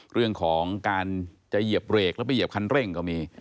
เรื่องของการจะเหยียบเบรกแล้วไปเหยียบคันเร่งก็มี